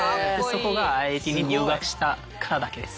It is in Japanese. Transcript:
そこがＩＩＴに入学したからだけです。